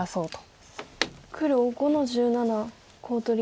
黒５の十七コウ取り。